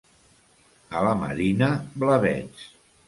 A la Marina, blavets.